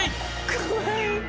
怖い。